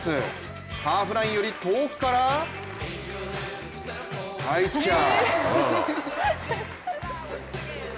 ハーフラインより遠くから入っちゃう！